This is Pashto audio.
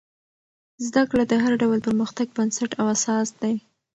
زده کړه د هر ډول پرمختګ بنسټ او اساس دی.